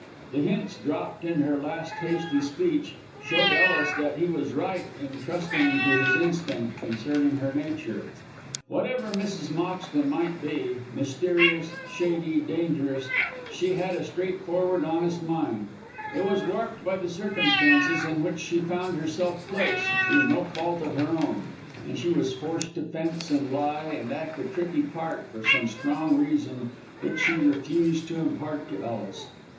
The hints dropped in her last hasty speech showed Ellis that he was right in trusting to his instinct concerning her nature. Whatever Mrs. Moxton might be, mysterious, shady, dangerous, she had a straightforward, honest mind. It was warped by the circumstances in which she found herself placed through no fault of her own, and she was forced to fence and lie, and act a tricky part for some strong reason which she refused to impart to Ellis.